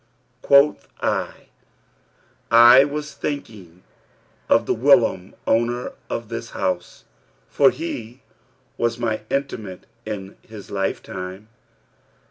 Quoth I, 'I was thinking of the whilom owner of this house, for he was my intimate in his lifetime.'